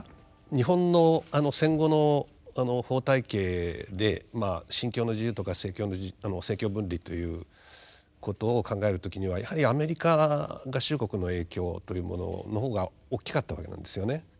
日本の戦後の法体系で「信教の自由」とか政教分離ということを考える時にはやはりアメリカ合衆国の影響というものの方が大きかったわけなんですよね。